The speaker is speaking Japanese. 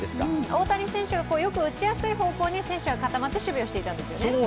大谷選手がよく打ちやすい方向に選手がかたまって守備をしていたんですね。